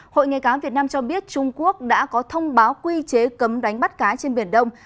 hội nghề cá việt nam cho biết trung quốc đã có thông báo quy chế cấm đánh bắt cá trên biển đông